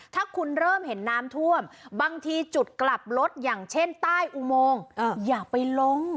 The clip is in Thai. ถ้าคุณเริ่มเห็นน้ำท่วมบางทีจุดกลับรถอย่างเช่นใต้อุโมงอย่าไปลง